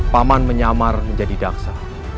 paman menyamar menjadi daksa